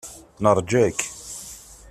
Neṛja-k.